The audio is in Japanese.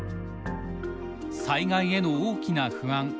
災害への大きな不安。